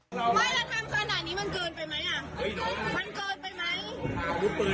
คนละพี่ทำขนาดนี้อะน่ะพี่